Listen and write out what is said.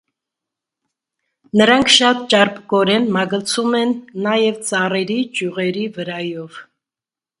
Նրանք շատ ճարպկորեն մագլցում են նաև ծառերի ճյուղերի վրայով։